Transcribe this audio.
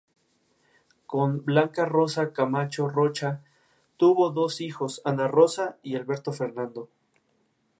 Con Blanca Rosa Camacho Rocha tuvo dos hijos: Ana Rosa y Alberto Fernando.